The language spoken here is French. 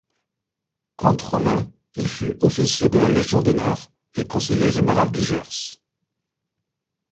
Comte romain, il fut officier de la Légion d'honneur et conseiller général du Gers.